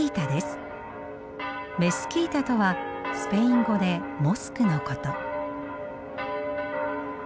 メスキータとはスペイン語でモスクのこと。